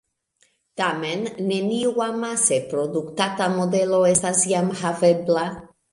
Tamen neniu amase produktata modelo estas jam havebla.